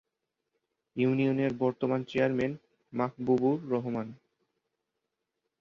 ইউনিয়নের বর্তমান চেয়ারম্যান মাহবুবুর রহমান।